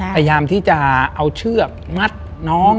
พยายามที่จะเอาเชือกมัดน้อง